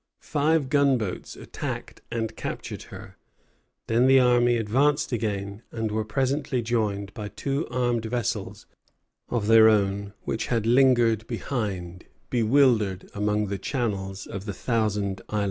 Five gunboats attacked and captured her. Then the army advanced again, and were presently joined by two armed vessels of their own which had lingered behind, bewildered among the channels of the Thousand Islands.